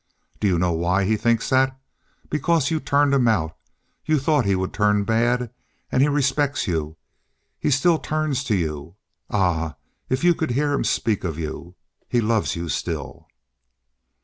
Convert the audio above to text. Do you know why he thinks that? Because you turned him out. You thought he would turn bad. And he respects you. He still turns to you. Ah, if you could hear him speak of you! He loves you still!"